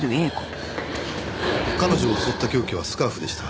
彼女を襲った凶器はスカーフでした。